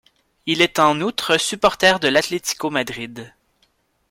Il est en outre supporter de l'Atletico Madrid.